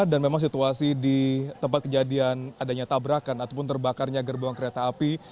dan memang situasi di tempat kejadian adanya tabrakan ataupun terbakarnya gerbong kereta api